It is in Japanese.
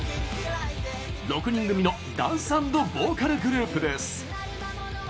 ６人組のダンス＆ボーカルグループです。